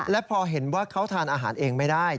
และพอเห็นว่าเขาทานอาหารเองไม่ได้